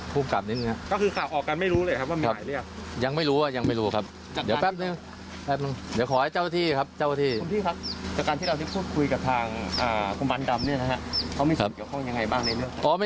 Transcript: เขามีส่วนเกี่ยวข้องยังไงบ้างในเรื่อง